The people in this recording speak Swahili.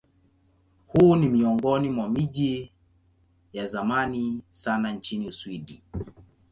Huu ni miongoni mwa miji ya zamani sana nchini Uswidi.